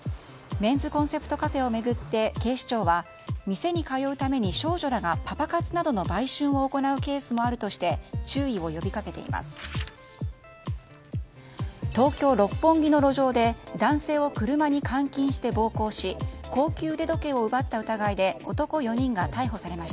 メンズコンセプトカフェを巡って警視庁は店に通うために少女らがパパ活などの売春を行うケースもあるとして注意を呼びかけています。